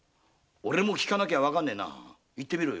聞かなきゃわかんねえな言ってみろよ。